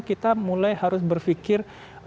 kita mulai harus berfikir